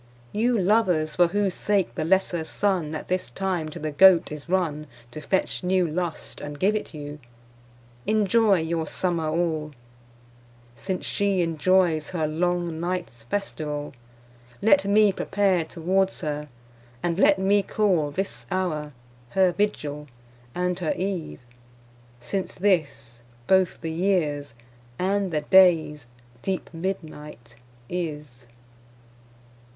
You lovers, for whose sake, the lesser Sunne At this time to the Goat is runne To fetch new lust, and give it you, Enjoy your summer all; Since shee enjoyes her long nights festivall, Let mee prepare towards her, and let mee call This houre her Vigill, and her Eve, since this Bothe the yeares, and the dayes deep midnight is.